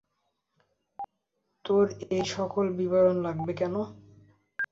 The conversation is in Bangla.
তোর এই সকল বিবরণ লাগবে কেন?